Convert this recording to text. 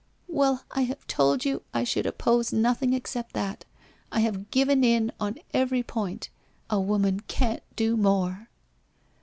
' Well, I have told you I should oppose nothing except that. I have given in on every point. A woman can't do more